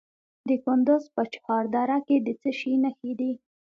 د کندز په چهار دره کې د څه شي نښې دي؟